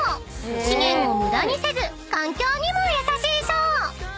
［資源を無駄にせず環境にも優しいショー］